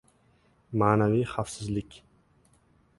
Ma’naviy xavfsizlik